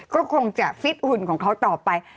ก็คงจะฟิตหุ่นของเขาต่อไป